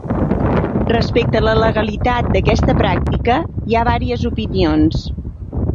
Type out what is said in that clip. Respecte a la legalitat d’aquesta pràctica, hi ha vàries opinions.